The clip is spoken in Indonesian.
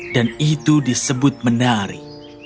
dan itu disebut menari